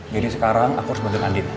jadi sekarang aku harus banding andin